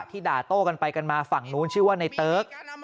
ด่าโต้กันไปกันมาฝั่งนู้นชื่อว่าในเติ๊ก